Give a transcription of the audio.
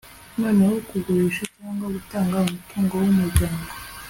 noneho kugurisha cyangwa gutanga umutungo w'umuryango